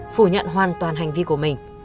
phủ nhận hoàn toàn hành vi của mình